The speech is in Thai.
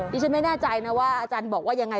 ดิฉันไม่แน่ใจนะว่าอาจารย์บอกว่ายังไง